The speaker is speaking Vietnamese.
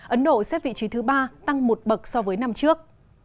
ấn độ xếp vị trí thứ ba tăng một bậc so với năm trước